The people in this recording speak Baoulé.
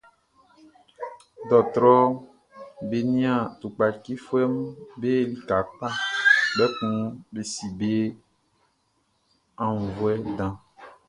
Dɔɔtrɔʼm be nian tukpacifuɛʼm be lika kpa, kpɛkun be si be aunnvuɛ dan.